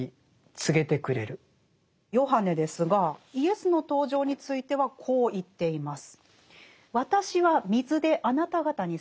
ヨハネですがイエスの登場についてはこう言っています。